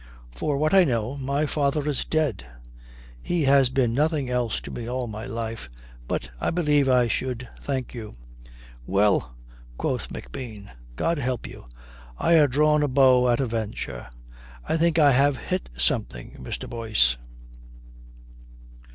For what I know, my father is dead. He has been nothing else to me all my life. But I believe I should thank you." "Well!" quoth McBean. "God help you. I ha' drawn a bow at a venture. I think I have hit something, Mr. Boyce."